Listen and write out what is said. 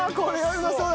うまそう。